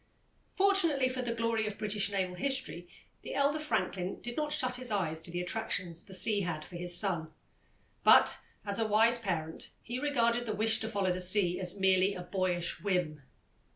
Fortunately for the glory of British naval history, the elder Franklin did not shut his eyes to the attractions the sea had for his son, but, as a wise parent, he regarded the wish to follow the sea as merely a boyish whim.